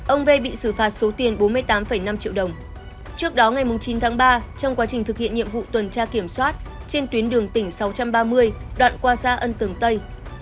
ông v bị xử phạt số tiền bốn mươi tám năm triệu đồng trước đó ngày chín tháng ba trong quá trình thực hiện nhiệm vụ tuần tra kiểm soát trên tuyến đường tỉnh sáu trăm ba mươi đoạn qua xa ân tường tây